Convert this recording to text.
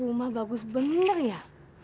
rumah bagus bener ya